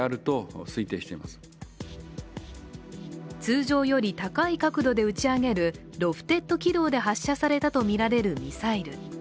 通常より高い確度で打ち上げるロフテッド軌道で発射されたとみられるミサイル。